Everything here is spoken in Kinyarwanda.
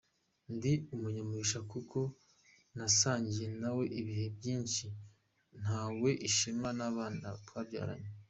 Ndi umunyamugisha kuko nasangiye na we ibihe byinshi, ntewe ishema n’abana twabyaranye.